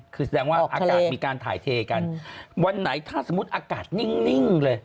คือแสดงว่าอากาศมีการถ่ายเทกันวันไหนถ้าสมมุติอากาศนิ่งเลย